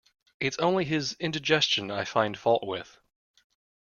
It's only his indigestion I find fault with.